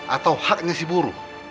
atau haknya si buruh